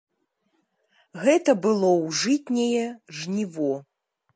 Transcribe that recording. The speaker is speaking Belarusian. Гэта было ў жытняе жніво.